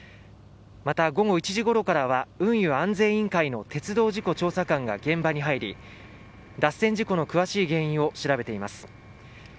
また午後１時ごろからは運輸安全委員会の鉄道事故調査官が現場に入り脱線事故の詳しい原因を調べています。